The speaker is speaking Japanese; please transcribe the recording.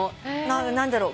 何だろう